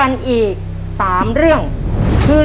เร็วเร็วเร็วเร็ว